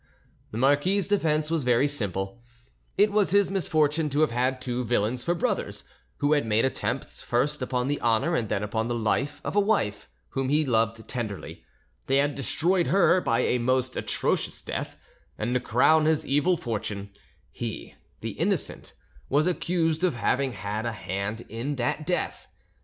The marquis's defence was very simple: it was his misfortune to have had two villains for brothers, who had made attempts first upon the honour and then upon the life of a wife whom he loved tenderly; they had destroyed her by a most atrocious death, and to crown his evil fortune, he, the innocent, was accused of having had a hand in that death.